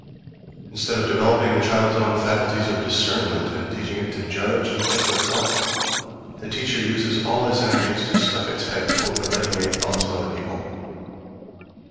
Instead of developing the child's own faculties of discernment, and teaching it to judge and think for itself, the teacher uses all his energies to stuff its head full of the ready made thoughts of other people.